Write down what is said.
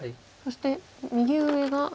そして右上が。